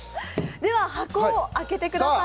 では、箱を開けてください。